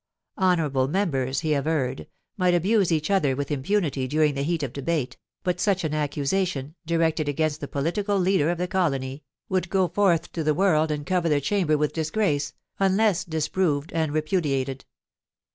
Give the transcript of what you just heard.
Honourable members, he averred, might abuse each other with impunity during the heat of debate, but such an accusation, directed against the political leader of the colony, would go forth to the world and cover the Chamber with disgrace, unless disproved and repudiated.